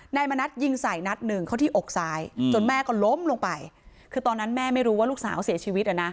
มณัฐยิงใส่นัดหนึ่งเข้าที่อกซ้ายจนแม่ก็ล้มลงไปคือตอนนั้นแม่ไม่รู้ว่าลูกสาวเสียชีวิตอ่ะนะ